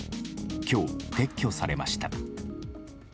今日、撤去されました。